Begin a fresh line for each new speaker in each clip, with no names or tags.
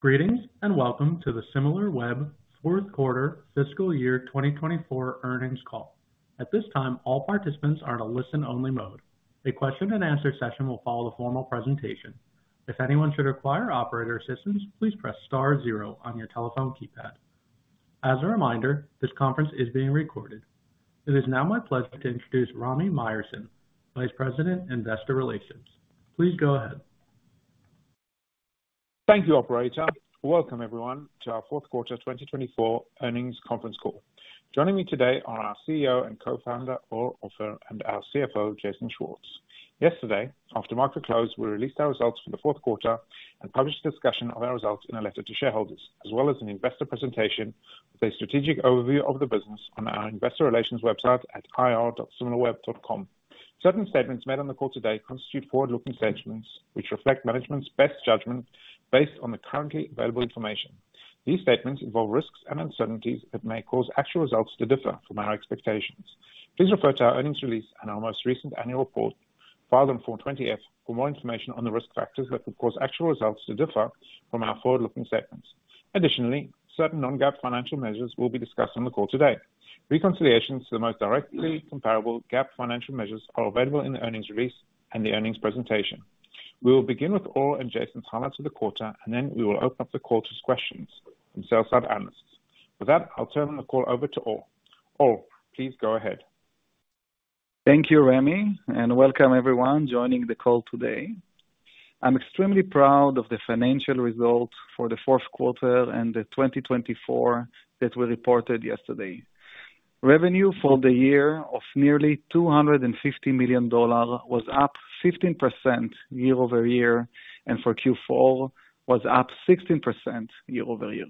Greetings and welcome to the Similarweb Fourth Quarter Fiscal Year 2024 Earnings Call. At this time, all participants are in a listen-only mode. A question-and-answer session will follow the formal presentation. If anyone should require operator assistance, please press star zero on your telephone keypad. As a reminder, this conference is being recorded. It is now my pleasure to introduce Rami Myerson, Vice President, Investor Relations. Please go ahead.
Thank you, operator. Welcome, everyone, to our Fourth Quarter 2024 Earnings Conference Call. Joining me today are our CEO and Co-founder, Or Offer, and our CFO, Jason Schwartz. Yesterday, after market close, we released our results for the fourth quarter and published a discussion of our results in a letter to shareholders, as well as an investor presentation with a strategic overview of the business on our Investor Relations website at ir.similarweb.com. Certain statements made on the call today constitute forward-looking statements which reflect management's best judgment based on the currently available information. These statements involve risks and uncertainties that may cause actual results to differ from our expectations. Please refer to our earnings release and our most recent annual report filed on Form 20-F for more information on the risk factors that could cause actual results to differ from our forward-looking statements. Additionally, certain non-GAAP financial measures will be discussed on the call today. Reconciliations to the most directly comparable GAAP financial measures are available in the earnings release and the earnings presentation. We will begin with Or and Jason's highlights of the quarter, and then we will open up the call to questions from sell-side analysts. With that, I'll turn the call over to Or Offer. Or, please go ahead.
Thank you, Rami, and welcome everyone joining the call today. I'm extremely proud of the financial results for the fourth quarter and the 2024 that we reported yesterday. Revenue for the year of nearly $250 million was up 15% year-over-year, and for Q4 was up 16% year-over-year.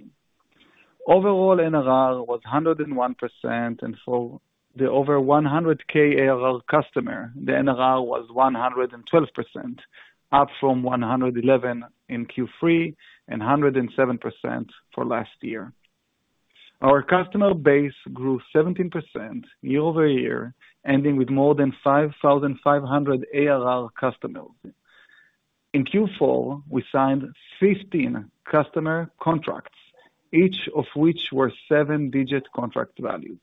Overall NRR was 101%, and for the over 100K ARR customer, the NRR was 112%, up from 111% in Q3 and 107% for last year. Our customer base grew 17% year-over-year, ending with more than 5,500 ARR customers. In Q4, we signed 15 customer contracts, each of which were seven-digit contract values.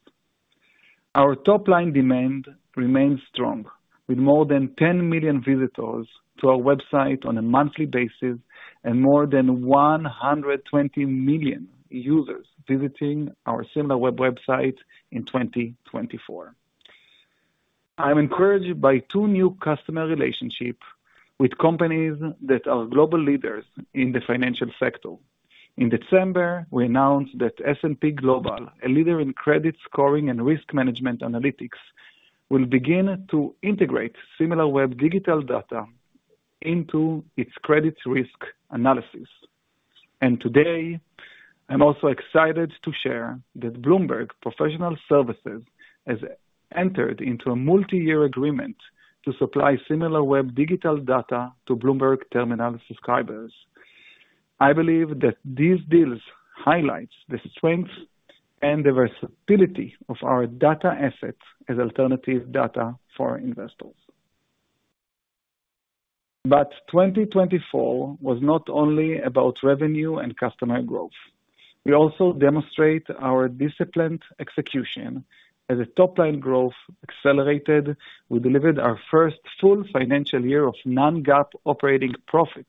Our top-line demand remained strong, with more than 10 million visitors to our website on a monthly basis and more than 120 million users visiting our Similarweb website in 2024. I'm encouraged by two new customer relationships with companies that are global leaders in the financial sector. In December, we announced that S&P Global, a leader in credit scoring and risk management analytics, will begin to integrate Similarweb digital data into its credit risk analysis. And today, I'm also excited to share that Bloomberg Professional Services has entered into a multi-year agreement to supply Similarweb digital data to Bloomberg Terminal subscribers. I believe that these deals highlight the strength and the versatility of our data assets as alternative data for investors. But 2024 was not only about revenue and customer growth. We also demonstrate our disciplined execution as a top-line growth accelerated. We delivered our first full financial year of Non-GAAP operating profit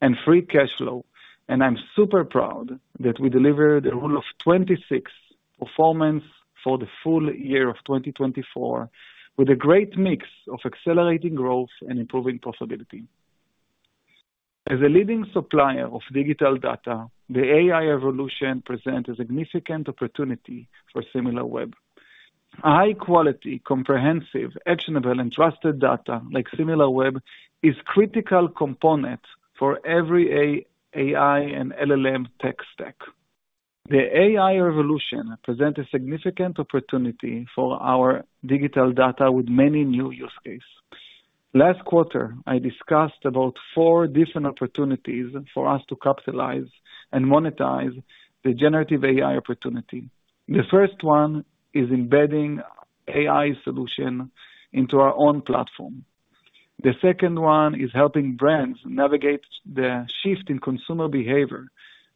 and free cash flow, and I'm super proud that we delivered a Rule of 26 performance for the full year of 2024, with a great mix of accelerating growth and improving profitability. As a leading supplier of digital data, the AI evolution presents a significant opportunity for Similarweb. High-quality, comprehensive, actionable, and trusted data like Similarweb is a critical component for every AI and LLM tech stack. The AI revolution presents a significant opportunity for our digital data with many new use cases. Last quarter, I discussed about four different opportunities for us to capitalize and monetize the Generative AI opportunity. The first one is embedding AI solutions into our own platform. The second one is helping brands navigate the shift in consumer behavior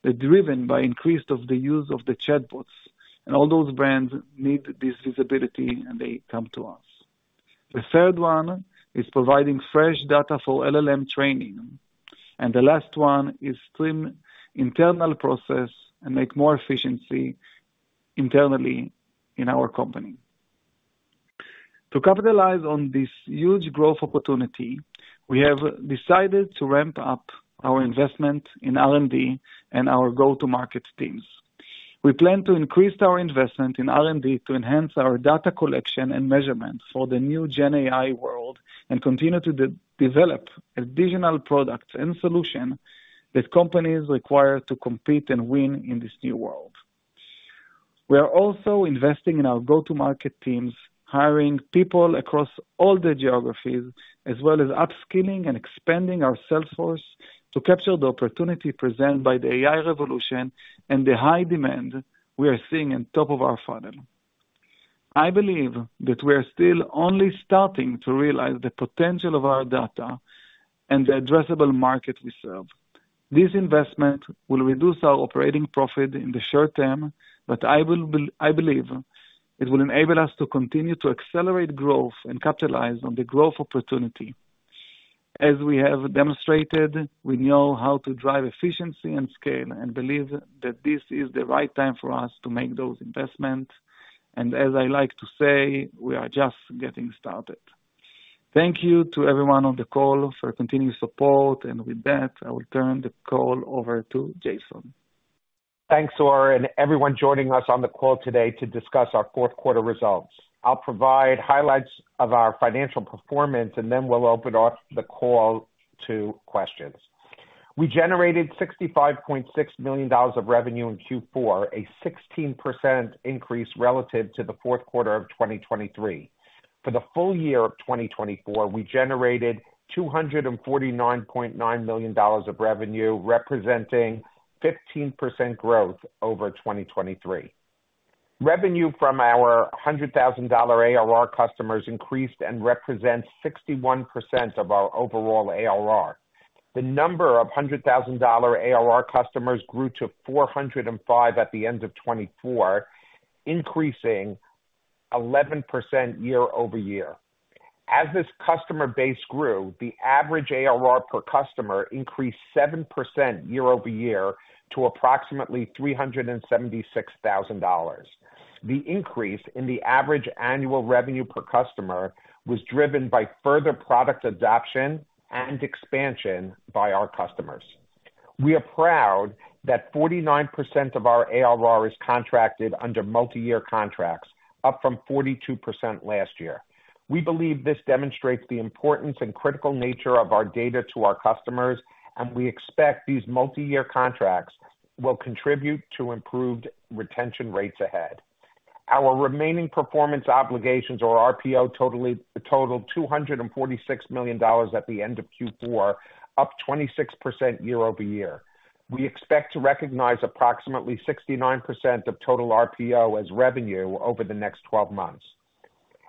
that is driven by the increase of the use of the chatbots. All those brands need this visibility, and they come to us. The third one is providing fresh data for LLM training. The last one is to streamline internal processes and make more efficiency internally in our company. To capitalize on this huge growth opportunity, we have decided to ramp up our investment in R&D and our go-to-market teams. We plan to increase our investment in R&D to enhance our data collection and measurement for the new GenAI world and continue to develop additional products and solutions that companies require to compete and win in this new world. We are also investing in our go-to-market teams, hiring people across all the geographies, as well as upskilling and expanding our sales force to capture the opportunity presented by the AI revolution and the high demand we are seeing on top of our funnel. I believe that we are still only starting to realize the potential of our data and the addressable market we serve. This investment will reduce our operating profit in the short term, but I believe it will enable us to continue to accelerate growth and capitalize on the growth opportunity. As we have demonstrated, we know how to drive efficiency and scale and believe that this is the right time for us to make those investments, and as I like to say, we are just getting started. Thank you to everyone on the call for continued support, and with that, I will turn the call over to Jason.
Thanks, Or, and everyone joining us on the call today to discuss our fourth quarter results. I'll provide highlights of our financial performance, and then we'll open up the call to questions. We generated $65.6 million of revenue in Q4, a 16% increase relative to the fourth quarter of 2023. For the full year of 2024, we generated $249.9 million of revenue, representing 15% growth over 2023. Revenue from our $100,000 ARR customers increased and represents 61% of our overall ARR. The number of $100,000 ARR customers grew to 405 at the end of 2024, increasing 11% year-over-year. As this customer base grew, the average ARR per customer increased 7% year-over-year to approximately $376,000. The increase in the average annual revenue per customer was driven by further product adoption and expansion by our customers. We are proud that 49% of our ARR is contracted under multi-year contracts, up from 42% last year. We believe this demonstrates the importance and critical nature of our data to our customers, and we expect these multi-year contracts will contribute to improved retention rates ahead. Our remaining performance obligations, or RPO, totaled $246 million at the end of Q4, up 26% year-over-year. We expect to recognize approximately 69% of total RPO as revenue over the next 12 months.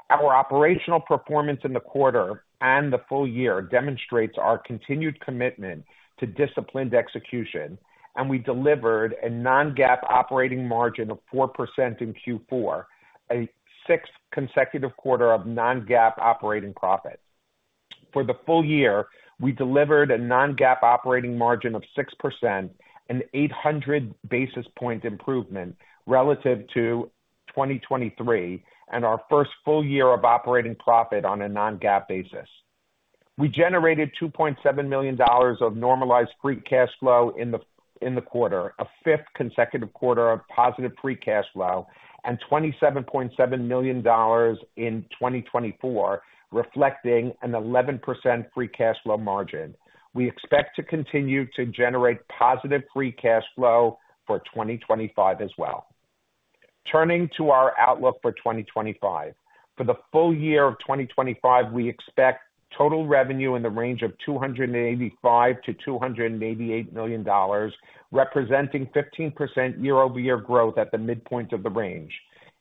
Our operational performance in the quarter and the full year demonstrates our continued commitment to disciplined execution, and we delivered a non-GAAP operating margin of 4% in Q4, a sixth consecutive quarter of non-GAAP operating profit. For the full year, we delivered a non-GAAP operating margin of 6%, an 800 basis point improvement relative to 2023, and our first full year of operating profit on a non-GAAP basis. We generated $2.7 million of normalized free cash flow in the quarter, a fifth consecutive quarter of positive free cash flow, and $27.7 million in 2024, reflecting an 11% free cash flow margin. We expect to continue to generate positive free cash flow for 2025 as well. Turning to our outlook for 2025, for the full year of 2025, we expect total revenue in the range of $285 million-$288 million, representing 15% year-over-year growth at the midpoint of the range.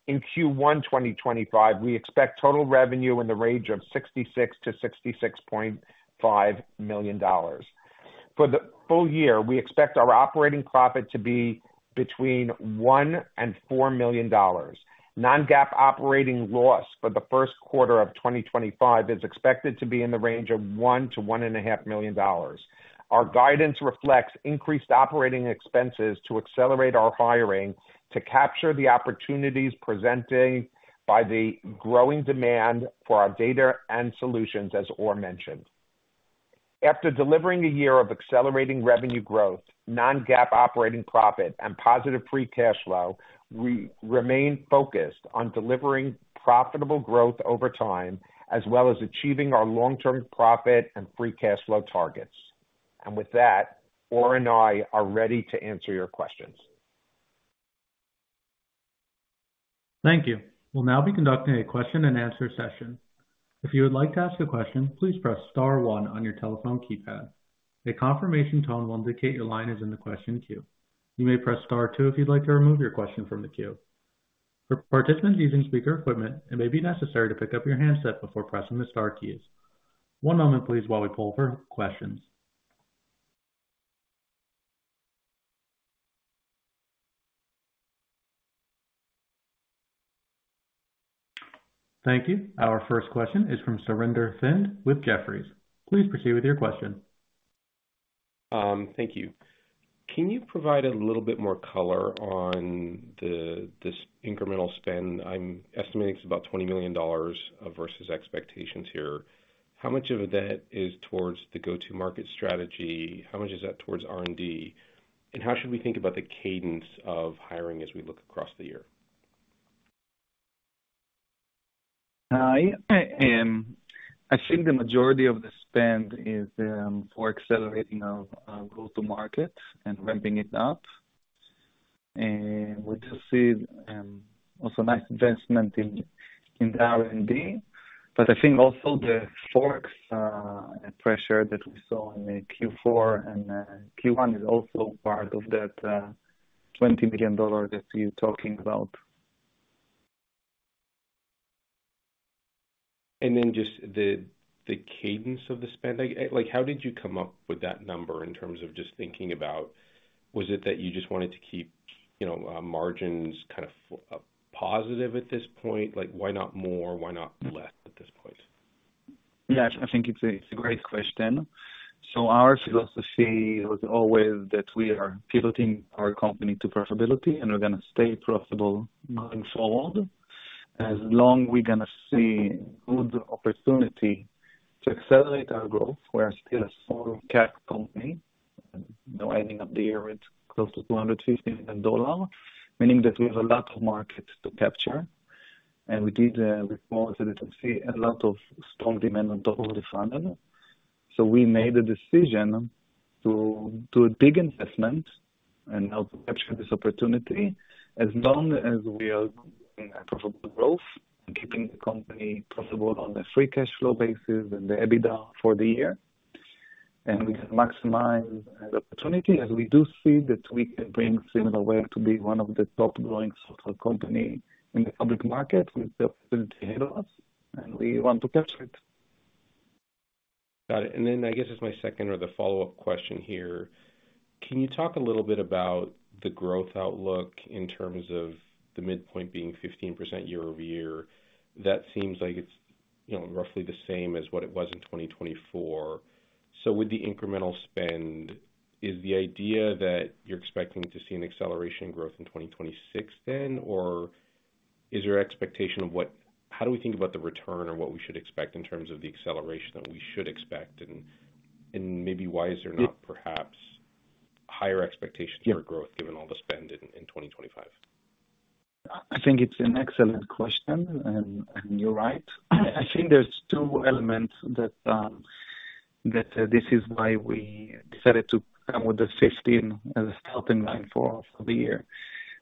In Q1 2025, we expect total revenue in the range of $66 million-$66.5 million. For the full year, we expect our operating profit to be between $1 million and $4 million. Non-GAAP operating loss for the first quarter of 2025 is expected to be in the range of $1 million-$1.5 million. Our guidance reflects increased operating expenses to accelerate our hiring to capture the opportunities presented by the growing demand for our data and solutions, as Or mentioned. After delivering a year of accelerating revenue growth, non-GAAP operating profit, and positive free cash flow, we remain focused on delivering profitable growth over time, as well as achieving our long-term profit and free cash flow targets. And with that, Or and I are ready to answer your questions.
Thank you. We'll now be conducting a question-and-answer session. If you would like to ask a question, please press star one on your telephone keypad. A confirmation tone will indicate your line is in the question queue. You may press star two if you'd like to remove your question from the queue. For participants using speaker equipment, it may be necessary to pick up your handset before pressing the star keys. One moment, please, while we poll for questions. Thank you. Our first question is from Surinder Thind with Jefferies. Please proceed with your question.
Thank you. Can you provide a little bit more color on this incremental spend? I'm estimating it's about $20 million versus expectations here. How much of that is towards the go-to-market strategy? How much is that towards R&D? And how should we think about the cadence of hiring as we look across the year?
I think the majority of the spend is for accelerating our go-to-market and ramping it up. And we just see also nice investment in R&D. But I think also the forex and pressure that we saw in Q4 and Q1 is also part of that $20 million that you're talking about.
And then just the cadence of the spend, how did you come up with that number in terms of just thinking about, was it that you just wanted to keep margins kind of positive at this point? Why not more? Why not less at this point?
Yeah, I think it's a great question. So our philosophy was always that we are pivoting our company to profitability, and we're going to stay profitable going forward as long as we're going to see good opportunity to accelerate our growth. We are still a small cap company. We're winding up the year with close to $250 million, meaning that we have a lot of market to capture. And we did report that we see a lot of strong demand on top of the funnel. So we made the decision to do a big investment and help capture this opportunity as long as we are growth and keeping the company profitable on a free cash flow basis and the EBITDA for the year. We can maximize the opportunity as we do see that we can bring Similarweb to be one of the top growing software companies in the public market with the opportunity ahead of us, and we want to capture it.
Got it. And then I guess it's my second or the follow-up question here. Can you talk a little bit about the growth outlook in terms of the midpoint being 15% year-over-year? That seems like it's roughly the same as what it was in 2024. So with the incremental spend, is the idea that you're expecting to see an acceleration in growth in 2026 then, or is there an expectation of what? How do we think about the return or what we should expect in terms of the acceleration that we should expect? And maybe why is there not perhaps higher expectations for growth given all the spend in 2025?
I think it's an excellent question, and you're right. I think there's two elements that this is why we decided to come with the 15 as a starting line for the year.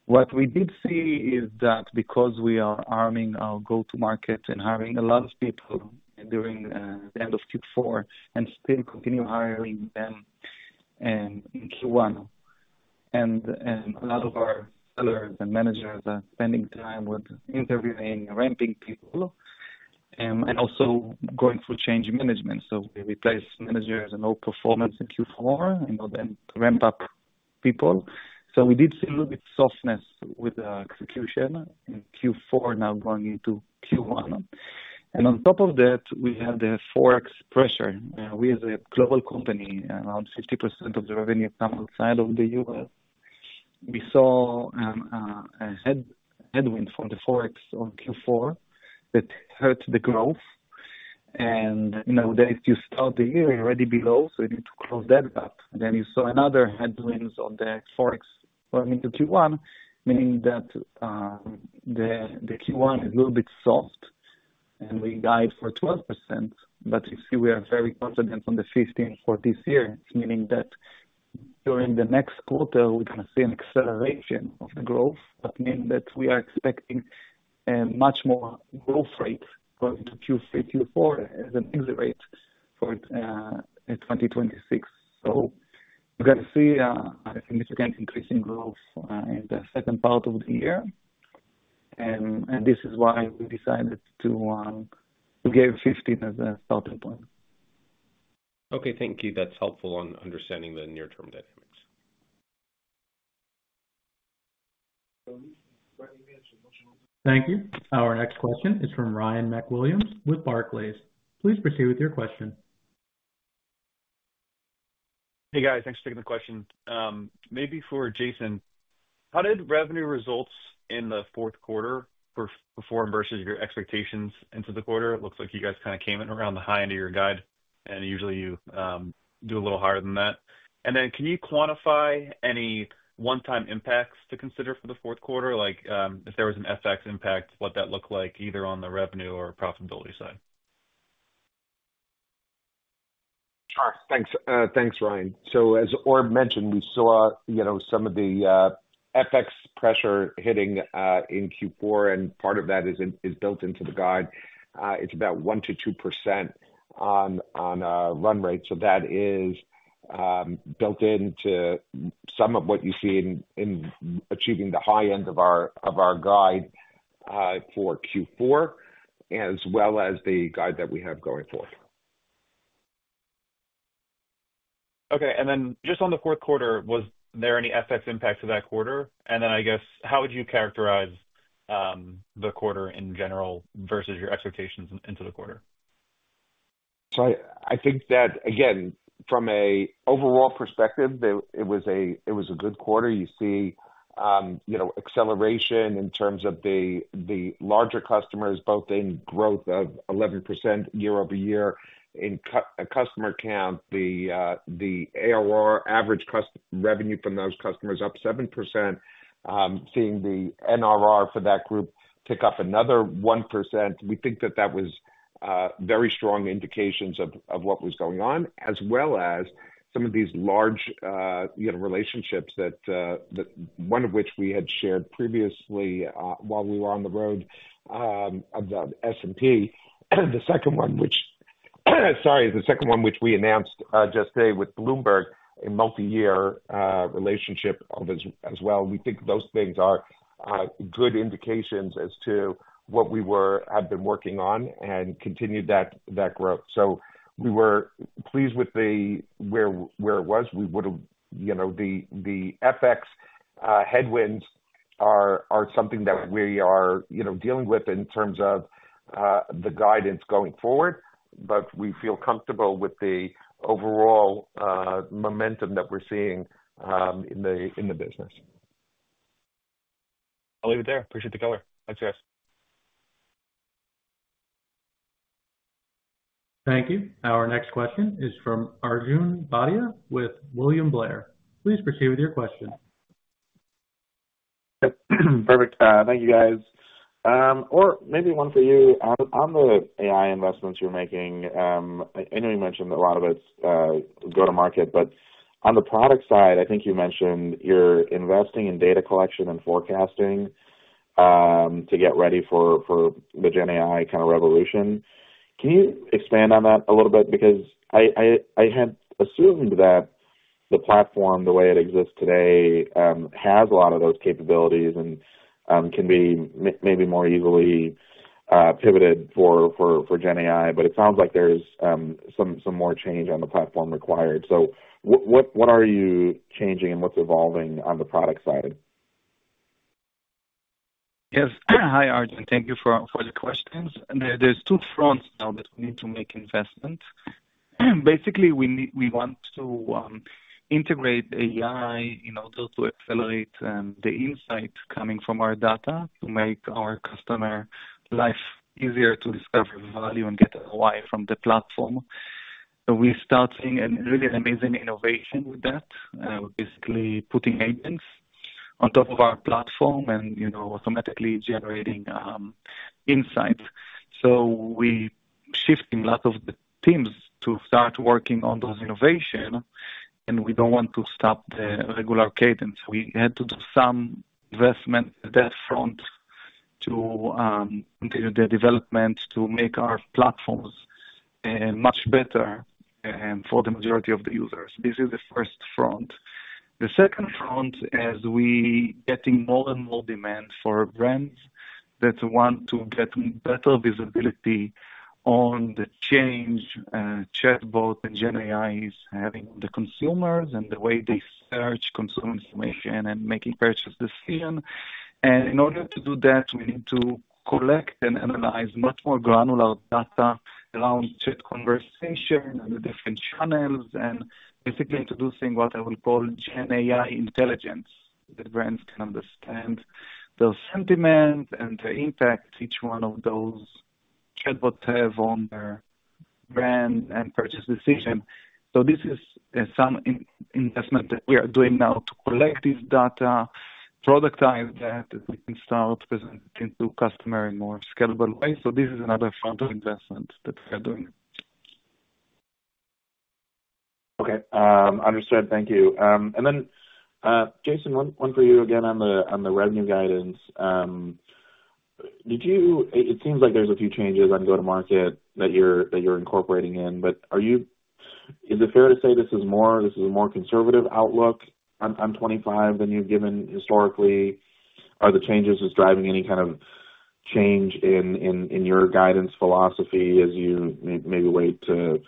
What we did see is that because we are arming our go-to-market and hiring a lot of people during the end of Q4 and still continue hiring them in Q1, a lot of our sellers and managers are spending time with interviewing and ramping people and also going through change management. We replace managers and old performers in Q4 and then ramp up people. We did see a little bit of softness with the execution in Q4 now going into Q1. On top of that, we had the Forex pressure. We as a global company, around 50% of the revenue comes outside of the U.S. We saw a headwind from the Forex on Q4 that hurt the growth, and nowadays, you start the year already below, so you need to close that gap. Then you saw another headwind on the Forex going into Q1, meaning that the Q1 is a little bit soft, and we guide for 12%, but you see we are very confident on the 15% for this year, meaning that during the next quarter, we're going to see an acceleration of the growth, which means that we are expecting a much more growth rate going into Q3, Q4 as an exit rate for 2026, so we're going to see a significant increase in growth in the second part of the year, and this is why we decided to give 15% as a starting point.
Okay, thank you. That's helpful on understanding the near-term dynamics.
Thank you. Our next question is from Ryan MacWilliams with Barclays. Please proceed with your question.
Hey, guys. Thanks for taking the question. Maybe for Jason, how did revenue results in the fourth quarter perform versus your expectations into the quarter? It looks like you guys kind of came in around the high end of your guide, and usually you do a little higher than that. And then can you quantify any one-time impacts to consider for the fourth quarter? Like if there was an FX impact, what that looked like either on the revenue or profitability side?
Sure. Thanks, Ryan, so as Or mentioned, we saw some of the FX pressure hitting in Q4, and part of that is built into the guide. It's about 1%-2% on run rate, so that is built into some of what you see in achieving the high end of our guide for Q4, as well as the guide that we have going forward.
Okay. And then just on the fourth quarter, was there any FX impact to that quarter? And then I guess, how would you characterize the quarter in general versus your expectations into the quarter?
So I think that, again, from an overall perspective, it was a good quarter. You see acceleration in terms of the larger customers, both in growth of 11% year-over-year in customer count. The ARR average revenue from those customers is up 7%, seeing the NRR for that group tick up another 1%. We think that that was very strong indications of what was going on, as well as some of these large relationships, one of which we had shared previously while we were on the road of the S&P. The second one, which we announced just today with Bloomberg, a multi-year relationship as well. We think those things are good indications as to what we have been working on and continue that growth. So we were pleased with where it was. The FX headwinds are something that we are dealing with in terms of the guidance going forward, but we feel comfortable with the overall momentum that we're seeing in the business.
I'll leave it there. Appreciate the color. Thanks, guys.
Thank you. Our next question is from Arjun Bhatia with William Blair. Please proceed with your question.
Perfect. Thank you, guys, or maybe one for you. On the AI investments you're making, I know you mentioned a lot of it's go-to-market, but on the product side, I think you mentioned you're investing in data collection and forecasting to get ready for the GenAI kind of revolution. Can you expand on that a little bit? Because I had assumed that the platform, the way it exists today, has a lot of those capabilities and can be maybe more easily pivoted for GenAI, but it sounds like there's some more change on the platform required. So what are you changing and what's evolving on the product side?
Yes. Hi, Arjun. Thank you for the questions. There's two fronts now that we need to make investment. Basically, we want to integrate AI in order to accelerate the insights coming from our data to make our customer life easier to discover value and get a why from the platform. So we start seeing really an amazing innovation with that, basically putting agents on top of our platform and automatically generating insights. So we're shifting lots of the teams to start working on those innovations, and we don't want to stop the regular cadence. We had to do some investment on that front to continue the development to make our platforms much better for the majority of the users. This is the first front. The second front is we're getting more and more demand for brands that want to get better visibility on the changes that chatbots and GenAI are having on the consumers and the way they search consumer information and make a purchase decision. And in order to do that, we need to collect and analyze much more granular data around chat conversation and the different channels and basically to do things, what I will call GenAI intelligence, that brands can understand the sentiment and the impact each one of those chatbots have on their brand and purchase decision. So this is some investment that we are doing now to collect this data, productize that, and start presenting to customers in a more scalable way. So this is another front of investment that we are doing.
Okay. Understood. Thank you. And then, Jason, one for you again on the revenue guidance. It seems like there's a few changes on go-to-market that you're incorporating in, but is it fair to say this is a more conservative outlook on 2025 than you've given historically? Are the changes just driving any kind of change in your guidance philosophy as you maybe wait to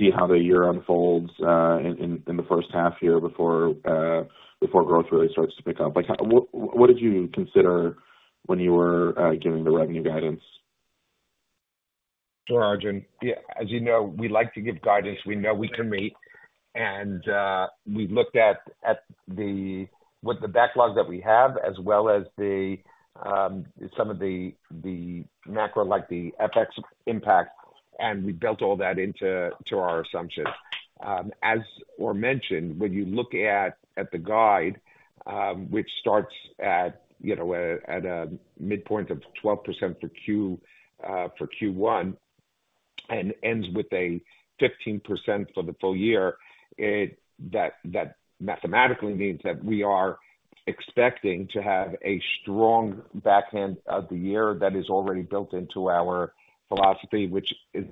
see how the year unfolds in the first half year before growth really starts to pick up? What did you consider when you were giving the revenue guidance?
Sure, Arjun. As you know, we like to give guidance. We know we can meet, and we've looked at the backlog that we have, as well as some of the macro, like the FX impact, and we built all that into our assumptions. As Or mentioned, when you look at the guide, which starts at a midpoint of 12% for Q1 and ends with a 15% for the full year, that mathematically means that we are expecting to have a strong back end of the year that is already built into our philosophy, which is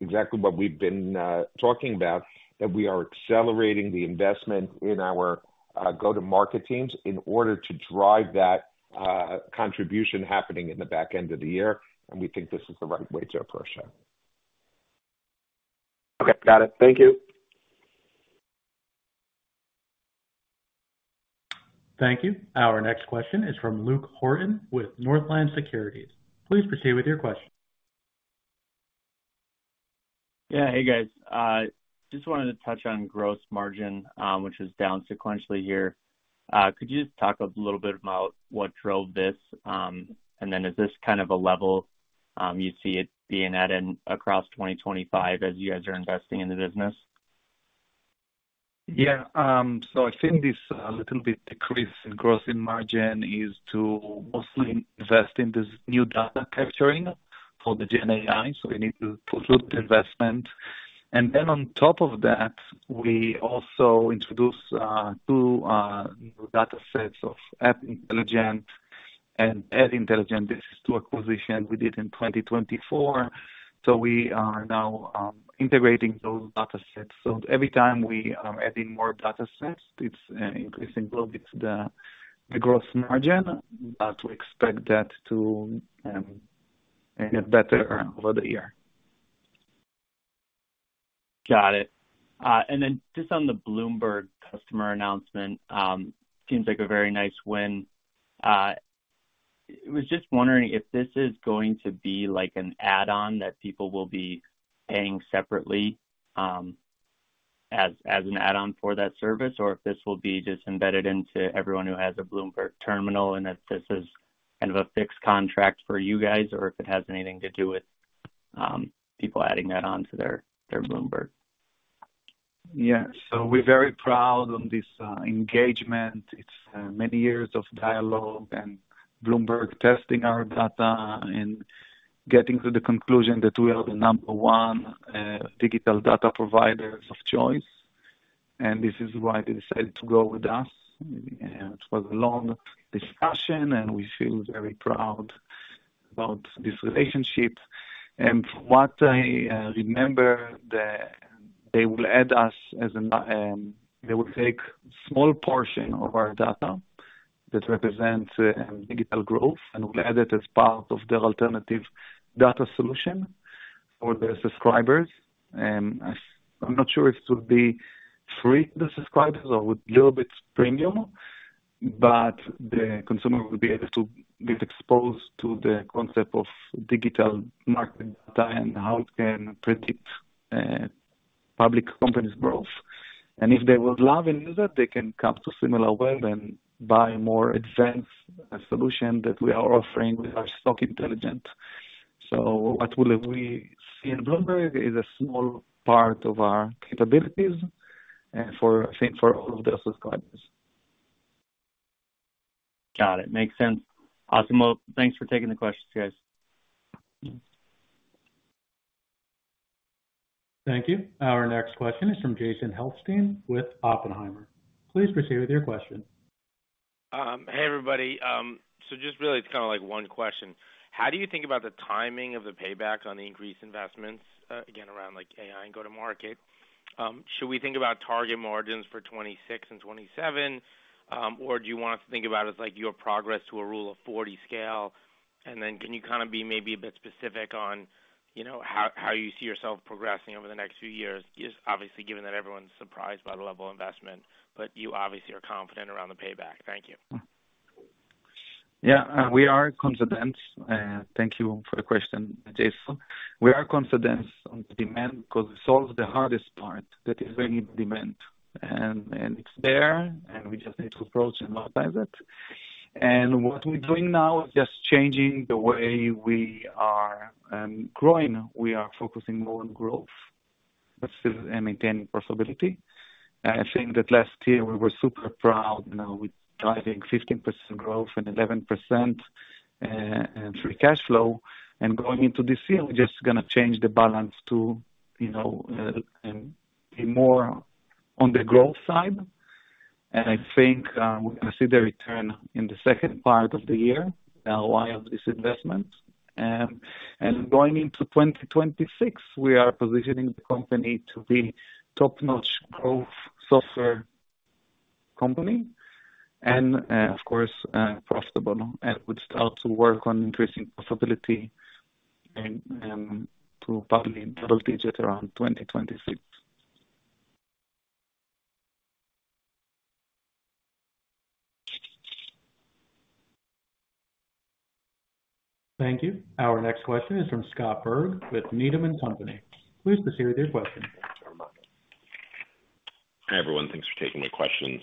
exactly what we've been talking about, that we are accelerating the investment in our go-to-market teams in order to drive that contribution happening in the back end of the year. We think this is the right way to approach that.
Okay. Got it. Thank you.
Thank you. Our next question is from Luke Horton with Northland Securities. Please proceed with your question.
Yeah. Hey, guys. Just wanted to touch on gross margin, which is down sequentially here. Could you just talk a little bit about what drove this? And then is this kind of a level you see it being at across 2025 as you guys are investing in the business?
Yeah. So I think this little bit decrease in gross margin is to mostly invest in this new data capturing for the GenAI. So we need to push up the investment. And then on top of that, we also introduced two data sets of App Intelligence and Ad Intelligence. This is two acquisitions we did in 2024. So we are now integrating those data sets. So every time we add in more data sets, it's increasing a little bit the gross margin, but we expect that to get better over the year.
Got it. And then just on the Bloomberg customer announcement, seems like a very nice win. I was just wondering if this is going to be like an add-on that people will be paying separately as an add-on for that service, or if this will be just embedded into everyone who has a Bloomberg Terminal and that this is kind of a fixed contract for you guys, or if it has anything to do with people adding that on to their Bloomberg?
Yeah. So we're very proud of this engagement. It's many years of dialogue and Bloomberg testing our data and getting to the conclusion that we are the number one digital data providers of choice. And this is why they decided to go with us. It was a long discussion, and we feel very proud about this relationship. And from what I remember, they will take a small portion of our data that represents digital growth and will add it as part of their alternative data solution for the subscribers. I'm not sure if it will be free to the subscribers or a little bit premium, but the consumer will be able to get exposed to the concept of digital marketing data and how it can predict public companies' growth. And if they would love and use it, they can come to Similarweb and buy more advanced solutions that we are offering with our Stock Intelligence. So what will we see in Bloomberg is a small part of our capabilities, I think, for all of the subscribers.
Got it. Makes sense. Awesome. Well, thanks for taking the questions, guys.
Thank you. Our next question is from Jason Helfstein with Oppenheimer. Please proceed with your question.
Hey, everybody. So just really, it's kind of like one question. How do you think about the timing of the payback on the increased investments, again, around AI and go-to-market? Should we think about target margins for 2026 and 2027, or do you want us to think about it as your progress to a Rule of 40 scale? And then can you kind of be maybe a bit specific on how you see yourself progressing over the next few years, obviously given that everyone's surprised by the level of investment, but you obviously are confident around the payback? Thank you.
Yeah. We are confident. Thank you for the question, Jason. We are confident on the demand because it solves the hardest part that is very in demand. And it's there, and we just need to approach and monetize it. And what we're doing now is just changing the way we are growing. We are focusing more on growth and maintaining profitability. I think that last year we were super proud with driving 15% growth and 11% free cash flow. And going into this year, we're just going to change the balance to be more on the growth side. And I think we're going to see the return in the second part of the year, the ROI of this investment. Going into 2026, we are positioning the company to be a top-notch growth software company and, of course, profitable and would start to work on increasing profitability to probably double-digit around 2026.
Thank you. Our next question is from Scott Berg with Needham & Company. Please proceed with your question.
Hi everyone. Thanks for taking my questions.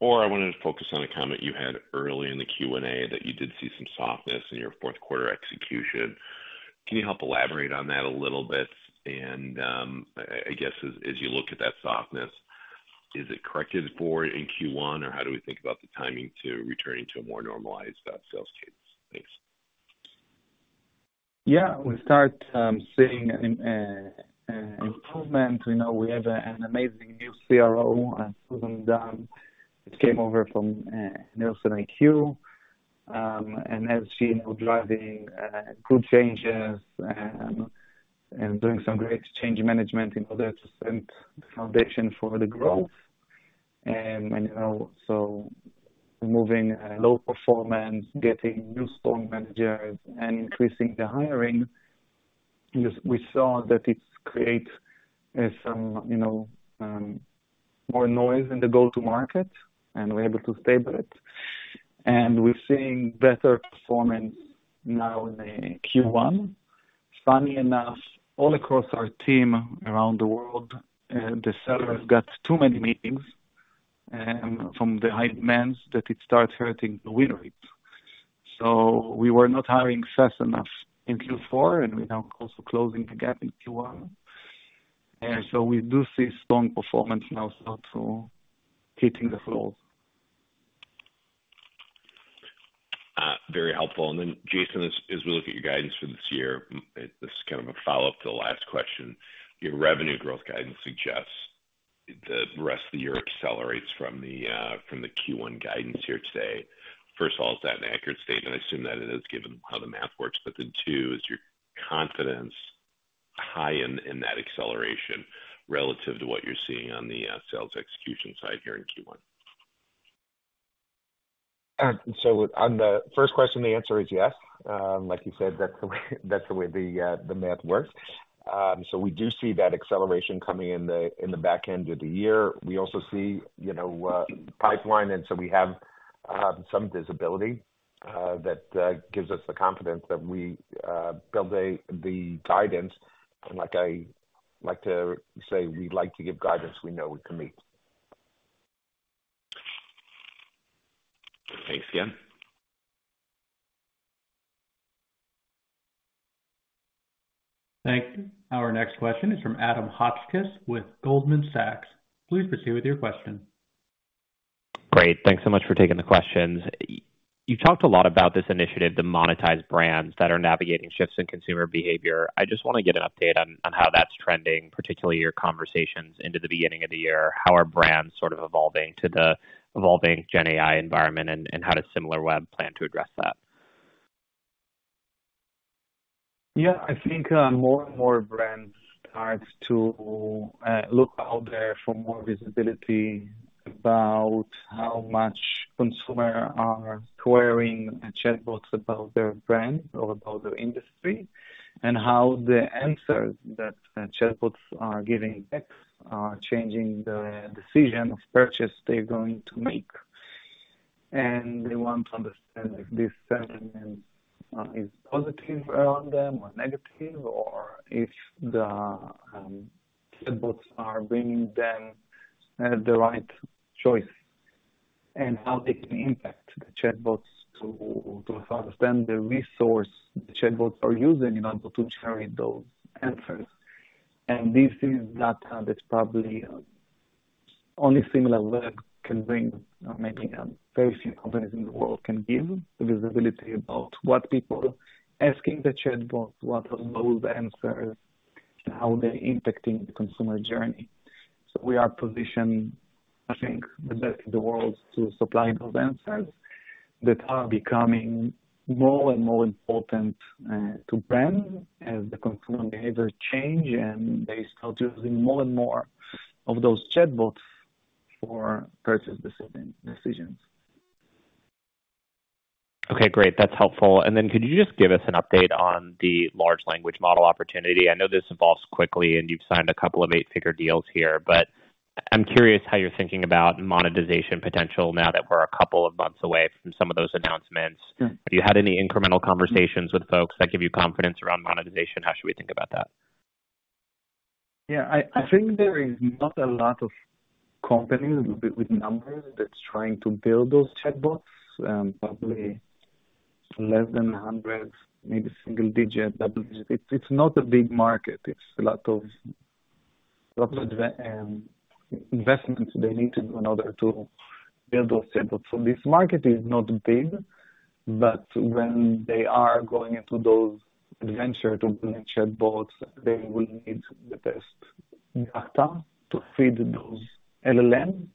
Or, I wanted to focus on a comment you had early in the Q&A that you did see some softness in your fourth quarter execution. Can you help elaborate on that a little bit? And I guess as you look at that softness, is it corrected for in Q1, or how do we think about the timing to returning to a more normalized sales cadence? Thanks.
Yeah. We start seeing an improvement. We have an amazing new CRO, Susan Dunn. She came over from NielsenIQ. As she's driving good changes and doing some great change management in order to set the foundation for the growth, so removing low performers, getting new strong managers, and increasing the hiring, we saw that it creates some more noise in the go-to-market, and we're able to stay with it. We're seeing better performance now in Q1. Funny enough, all across our team around the world, the sellers have got too many meetings from the high demand that it's starting to hurt the win rate. We were not hiring fast enough in Q4, and we're now also closing the gap in Q1. We do see strong performance now starting to hit the floor.
Very helpful, and then, Jason, as we look at your guidance for this year, this is kind of a follow-up to the last question. Your revenue growth guidance suggests the rest of the year accelerates from the Q1 guidance here today. First of all, is that an accurate statement? I assume that it is given how the math works. But then, too, is your confidence high in that acceleration relative to what you're seeing on the sales execution side here in Q1?
On the first question, the answer is yes. Like you said, that's the way the math works. We do see that acceleration coming in the back end of the year. We also see pipeline, and so we have some visibility that gives us the confidence that we build the guidance. Like I like to say, we'd like to give guidance we know we can meet.
Thanks again.
Thank you. Our next question is from Adam Hotchkiss with Goldman Sachs. Please proceed with your question.
Great. Thanks so much for taking the questions. You've talked a lot about this initiative, the monetized brands that are navigating shifts in consumer behavior. I just want to get an update on how that's trending, particularly your conversations into the beginning of the year. How are brands sort of evolving to the evolving GenAI environment, and how does Similarweb plan to address that?
Yeah. I think more and more brands start to look out there for more visibility about how much consumers are asking chatbots about their brand or about their industry and how the answers that chatbots are giving are changing the decision of purchase they're going to make. And they want to understand if this sentiment is positive around them or negative, or if the chatbots are bringing them the right choice and how they can impact the chatbots to understand the resources the chatbots are using in order to generate those answers. And this is data that probably only Similarweb can bring, maybe very few companies in the world can give the visibility about what people are asking the chatbots, what are those answers, and how they're impacting the consumer journey. So we are positioned, I think, the best in the world to supply those answers that are becoming more and more important to brands as the consumer behavior changes and they start using more and more of those chatbots for purchase decisions.
Okay. Great. That's helpful. And then could you just give us an update on the large language model opportunity? I know this evolves quickly, and you've signed a couple of eight-figure deals here, but I'm curious how you're thinking about monetization potential now that we're a couple of months away from some of those announcements. Have you had any incremental conversations with folks that give you confidence around monetization? How should we think about that?
Yeah. I think there is not a lot of companies with numbers that are trying to build those chatbots, probably less than 100, maybe single digit, double digit. It's not a big market. It's a lot of investment they need to do in order to build those chatbots. So this market is not big, but when they are going into those adventures to build chatbots, they will need the best data to feed those LLMs.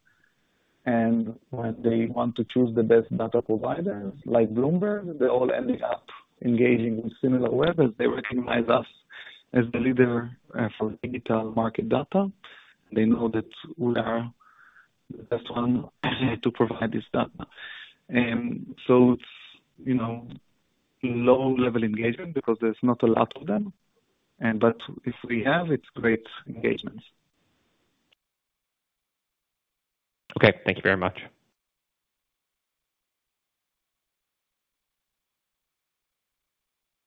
And when they want to choose the best data providers like Bloomberg, they're all ending up engaging with Similarweb as they recognize us as the leader for digital market data. They know that we are the best one to provide this data. And so it's low-level engagement because there's not a lot of them. But if we have, it's great engagement.
Okay. Thank you very much.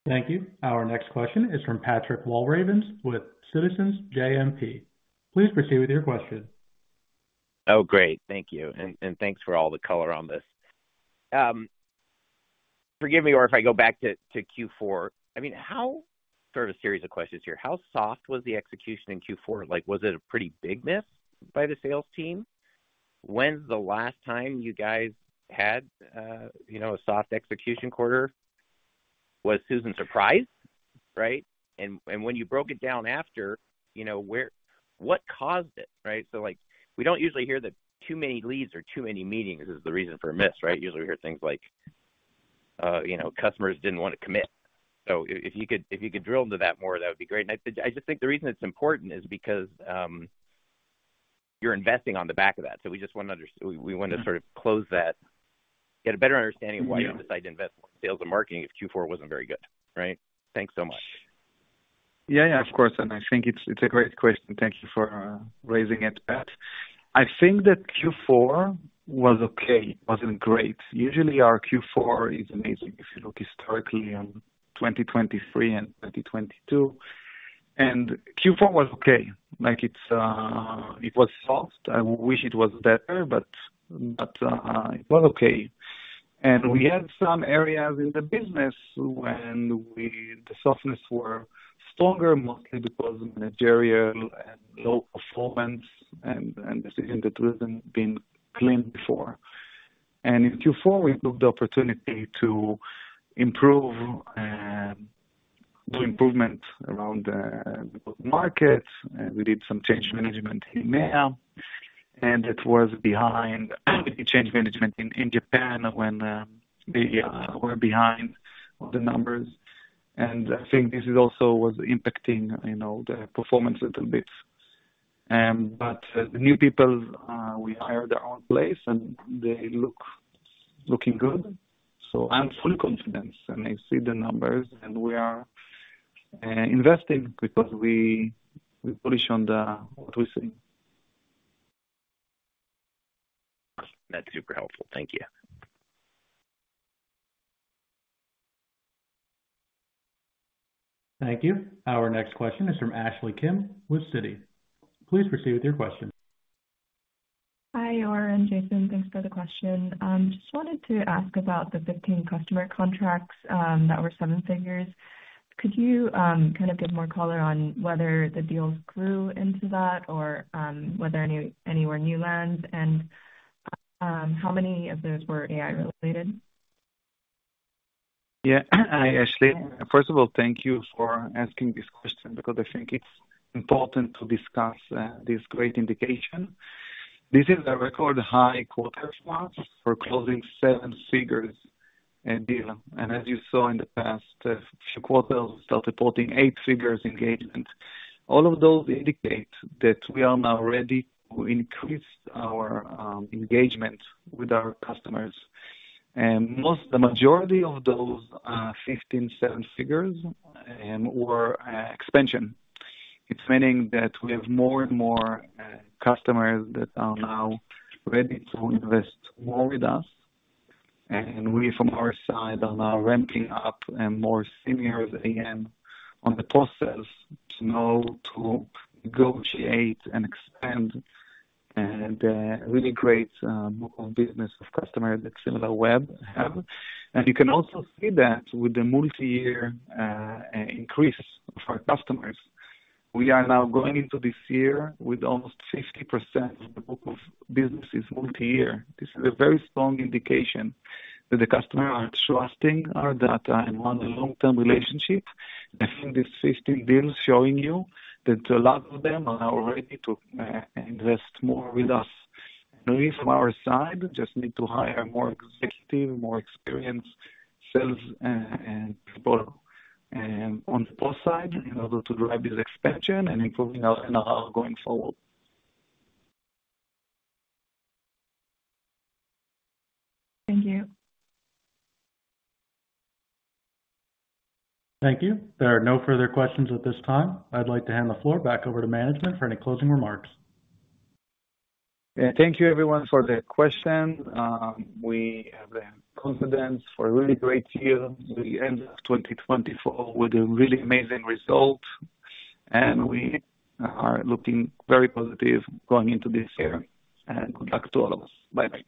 Thank you. Our next question is from Patrick Walravens with Citizens JMP. Please proceed with your question.
Oh, great. Thank you. And thanks for all the color on this. Forgive me, Or, if I go back to Q4. I mean, how, sort of, a series of questions here. How soft was the execution in Q4? Was it a pretty big miss by the sales team? When's the last time you guys had a soft execution quarter? Was Susan surprised, right? And when you broke it down after, what caused it, right? So we don't usually hear that too many leads or too many meetings is the reason for a miss, right? Usually, we hear things like customers didn't want to commit. So if you could drill into that more, that would be great. And I just think the reason it's important is because you're investing on the back of that. We just want to sort of close that, get a better understanding of why you decided to invest in sales and marketing if Q4 wasn't very good, right? Thanks so much.
Yeah, yeah, of course. And I think it's a great question. Thank you for raising it, Pat. I think that Q4 was okay. It wasn't great. Usually, our Q4 is amazing if you look historically on 2023 and 2022. And Q4 was okay. It was soft. I wish it was better, but it was okay. And we had some areas in the business where the softness was stronger, mostly because of managerial and low performance and decisions that hadn't been cleaned before. And in Q4, we took the opportunity to do improvements around the market. We did some change management in EMEA, and it was behind the change management in Japan when they were behind on the numbers. And I think this also was impacting the performance a little bit. But the new people we hired are in place, and they look good. So I'm fully confident, and I see the numbers, and we are investing because we push on what we see.
That's super helpful. Thank you.
Thank you. Our next question is from Ashley Kim with Citi. Please proceed with your question.
Hi, Or and Jason. Thanks for the question. I just wanted to ask about the 15 customer contracts that were seven figures. Could you kind of give more color on whether the deals grew into that or whether any were new lands, and how many of those were AI-related?
Yeah. Hi, Ashley. First of all, thank you for asking this question because I think it's important to discuss this great indication. This is a record high quarter slot for closing seven figures deal. And as you saw in the past few quarters, we started putting eight figures engagement. All of those indicate that we are now ready to increase our engagement with our customers. And the majority of those 15, seven figures were expansion. It's meaning that we have more and more customers that are now ready to invest more with us. And we, from our side, are now ramping up more Senior AM on the process to know to negotiate and expand the really great business of customers that Similarweb has. And you can also see that with the multi-year increase of our customers. We are now going into this year with almost 50% of the book of business is multi-year. This is a very strong indication that the customers are trusting our data and want a long-term relationship. I think these 15 deals are showing you that a lot of them are now ready to invest more with us, and we, from our side, just need to hire more executives, more experienced salespeople on both sides in order to drive this expansion and improving our going forward.
Thank you.
Thank you. There are no further questions at this time. I'd like to hand the floor back over to management for any closing remarks.
Thank you, everyone, for the question. We have confidence for a really great year, the end of 2024, with a really amazing result. We are looking very positive going into this year. Good luck to all of us. Bye.